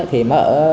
thì mất ở